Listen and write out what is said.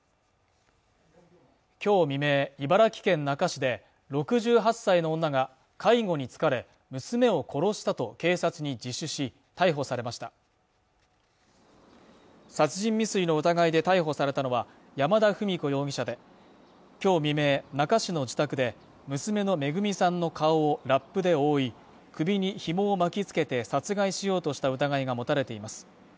今日未明茨城県那珂市で６８歳の女が介護に疲れ娘を殺したと警察に自首し逮捕されました殺人未遂の疑いで逮捕されたのは山田史子容疑者で今日未明那珂市の自宅で娘のめぐみさんの顔をラップで覆い首にひもを巻きつけて殺害しようとした疑いが持たれています